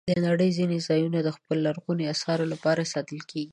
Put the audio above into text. د نړۍ ځینې ځایونه د خپلو لرغونو آثارو لپاره ساتل کېږي.